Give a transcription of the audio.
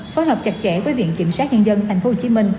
phối hợp chặt chẽ với viện kiểm sát nhân dân tp hcm